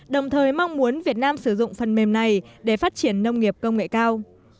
đồng thời mong muốn việt nam sử dụng phần mềm này để phát triển nông nghiệp công nghệ cao